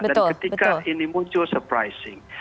dan ketika ini muncul surprising